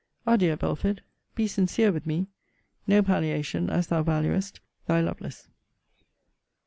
Adieu, Belford! Be sincere with me. No palliation, as thou valuest Thy LOVELACE.